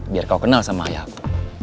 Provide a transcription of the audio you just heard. biar kau kenal sama ayahku